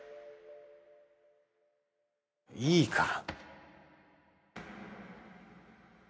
いいから。